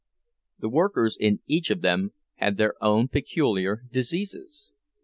The workers in each of them had their own peculiar diseases.